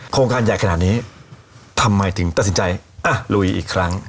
การใหญ่ขนาดนี้ทำไมถึงตัดสินใจอ่ะลุยอีกครั้ง